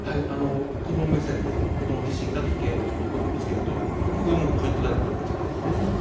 子ども目線で子ども自身が危険を見つけるというここがもうポイントであることは間違いないですね。